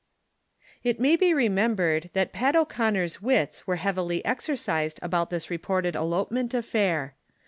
|T may be remembered that Pat O'Conner's wits were heavily exercised about this reported elope ment affair.